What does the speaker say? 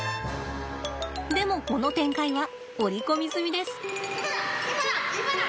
でもこの展開は織り込み済みです。